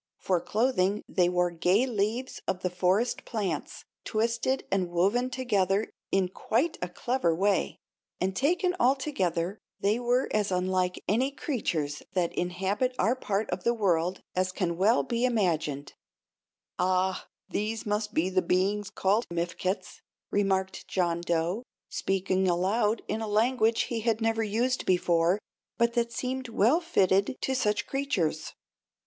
For clothing they wore gay leaves of the forest plants, twisted and woven together in quite a clever way; and taken all together, they were as unlike any creatures that inhabit our part of the world as can well be imagined. "Ah, these must be the beings called Mifkets," remarked John Dough, speaking aloud in a language he had never used before, but that seemed well fitted to such creatures.